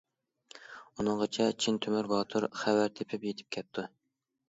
ئۇنىڭغىچە چىن تۆمۈر باتۇر خەۋەر تېپىپ يېتىپ كەپتۇ.